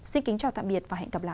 xin kính chào tạm biệt và hẹn gặp lại